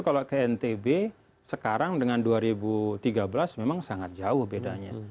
kalau ke ntb sekarang dengan dua ribu tiga belas memang sangat jauh bedanya